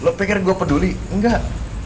lo pikir gue peduli enggak